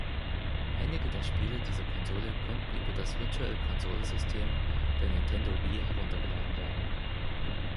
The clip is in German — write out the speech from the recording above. Einige der Spiele dieser Konsole konnten über das Virtual-Console-System der Nintendo Wii heruntergeladen werden.